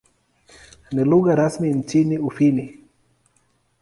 Ni lugha rasmi nchini Ufini.